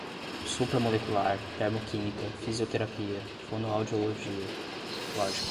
supramolecular, termoquímica, fisioterapia, fonoaudiologia, lógica